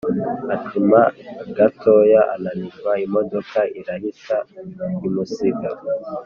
Acuma gatoya ananirwa imodoka irahita imusiga